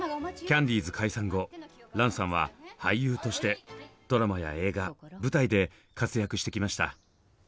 キャンディーズ解散後蘭さんは俳優としてドラマや映画舞台で活躍してきました。